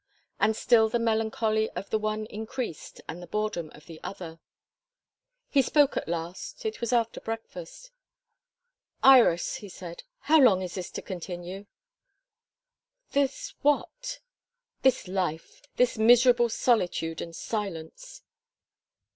And still the melancholy of the one increased, and the boredom of the other. He spoke at last. It was after breakfast. "Iris," he said, "how long is this to continue?" "This what?" "This life this miserable solitude and silence."